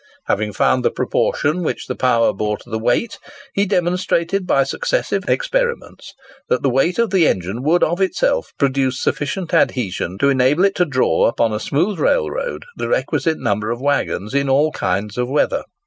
Having found the proportion which the power bore to the weight, he demonstrated by successive experiments that the weight of the engine would of itself produce sufficient adhesion to enable it to draw upon a smooth railroad the requisite number of waggons in all kinds of weather.